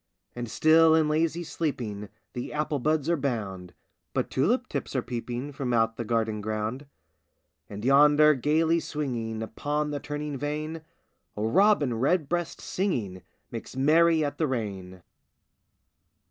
And still in lazy sleeping The apple buds are bound, But tulip tips are peeping From out the garden ground. And yonder, gayly swinging Upon the turning vane, A robin redbreast singing Makes merry at the rain!